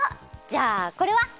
じゃあこれは？